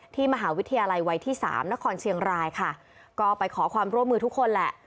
มหาวิทยาลัยวัยที่สามนครเชียงรายค่ะก็ไปขอความร่วมมือทุกคนแหละ